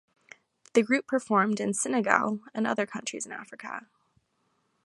The group performed in Senegal and other countries in Africa.